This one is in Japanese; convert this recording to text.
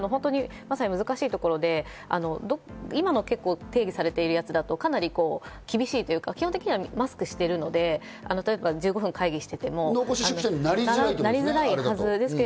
まさに難しいところで今、定義されているやつだと、かなり厳しいというか、基本的にマスクをしているので１５分、会議をしていても濃厚接触者になりづらいはず。